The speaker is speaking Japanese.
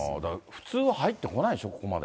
普通、入ってこないでしょう、ここまで。